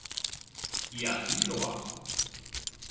Y así lo hace.